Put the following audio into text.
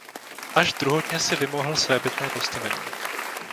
Až druhotně si vymohl svébytné postavení.